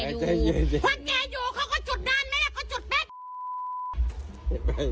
คนแก่อยู่เขาก็จุดนานไหมละก็จุดแป๊บ